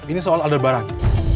ini soal alder barang